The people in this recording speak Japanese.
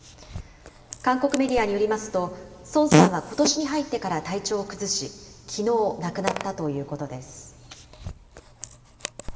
韓国メディアによりますと、ソンさんはことしに入ってから体調を崩し、きのう亡くなったということです。